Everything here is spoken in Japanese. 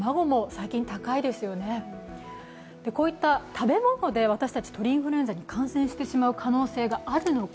食べ物で私たちは鳥インフルエンザに感染してしまう可能性があるのか。